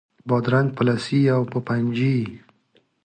بادرنګ په لسي او په پنجي